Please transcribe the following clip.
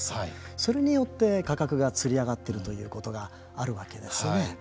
それによって価格がつり上がっているということがあるわけですね。